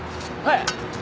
はい。